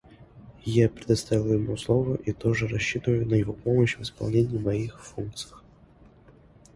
Я предоставляю ему слово и тоже рассчитываю на его помощь в исполнении моих функций.